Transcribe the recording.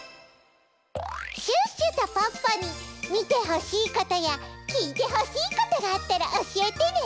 シュッシュとポッポにみてほしいことやきいてほしいことがあったらおしえてね！